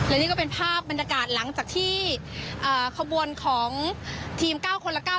และนี่ก็เป็นภาพบรรยากาศหลังจากที่ขบวนของทีม๙คนละ๙